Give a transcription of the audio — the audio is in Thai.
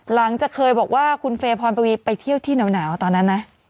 หลังจากเคยบอกว่าคุณเฟย์พรปวีไปเที่ยวที่หนาวตอนนั้นนะ